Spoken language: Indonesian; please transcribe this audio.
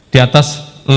di atas lima belas